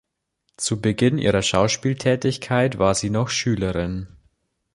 Zu Beginn ihrer Schauspieltätigkeit war sie noch Schülerin.